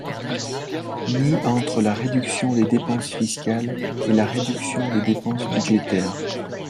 Ni entre la réduction des dépenses fiscales et la réduction des dépenses budgétaires.